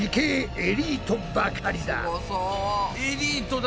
エリートだな。